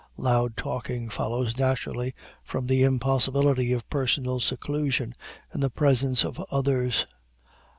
Loud talking follows naturally from the impossibility of personal seclusion in the presence of others.